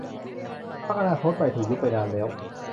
พรรคอนาคตใหม่ถูกยุบไปนานแล้ว